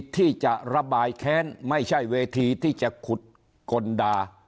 ที่จะระบายแค้นไม่ใช่เวทีที่จะขุดกลด่า